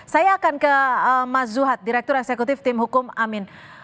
saya akan ke mas zuhad direktur eksekutif tim hukum amin